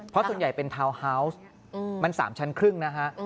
เพราะส่วนใหญ่เป็นทาวน์ฮาวส์มัน๓ชั้นครึ่งนะฮะ